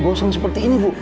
bosong seperti ini bu